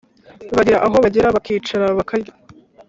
bagira aho bagera bakicara bakarya,